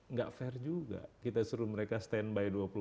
nggak fair juga kita suruh mereka stand by